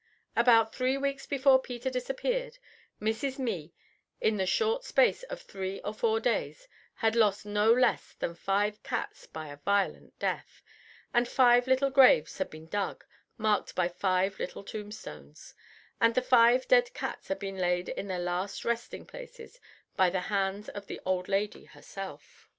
About three weeks before Peter disappeared, Mrs. Mee, in the short space of three or four days, had lost no less than five cats by a violent death, and five little graves had been dug, marked by five little tombstones, and the five dead cats had been laid in their last resting places by the hands of the old lady herself.